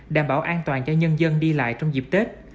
đảm bảo an toàn cho nhân dân đi lại trong dịp tết